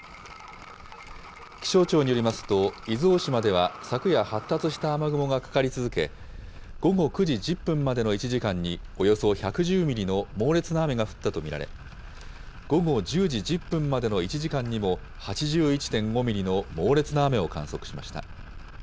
気象庁によりますと、伊豆大島では昨夜、発達した雨雲がかかり続け、午後９時１０分までの１時間に、およそ１１０ミリの猛烈な雨が降ったと見られ、午後１０時１０分までの１時間にも、８１．５ミリの猛烈な雨を観測しました。